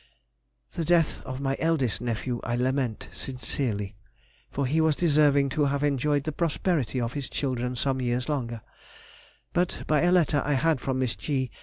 The death of my eldest nephew I lament sincerely, for he was deserving to have enjoyed the prosperity of his children some years longer, but by a letter I had from Miss G.